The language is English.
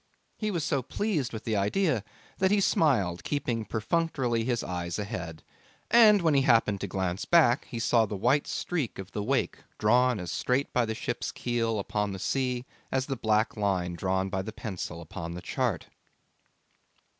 He was so pleased with the idea that he smiled, keeping perfunctorily his eyes ahead; and when he happened to glance back he saw the white streak of the wake drawn as straight by the ship's keel upon the sea as the black line drawn by the pencil upon the chart.